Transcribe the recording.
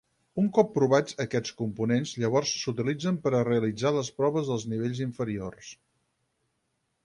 Un cop provats aquests components, llavors s'utilitzen per a realitzar les proves dels nivells inferiors.